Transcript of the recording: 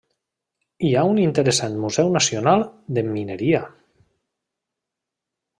Hi ha un interessant Museu Nacional de Mineria.